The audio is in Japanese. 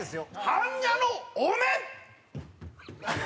般若のお面！